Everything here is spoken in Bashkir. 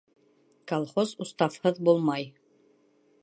Колхоз уставһыҙ булмай.